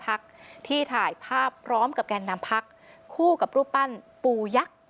พักที่ถ่ายภาพพร้อมกับแกนนำพักคู่กับรูปปั้นปูยักษ์